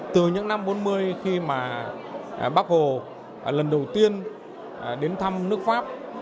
từ những năm bốn mươi khi mà bác hồ lần đầu tiên đến thăm nước pháp